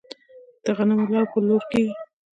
د غنمو لو په لور کیږي.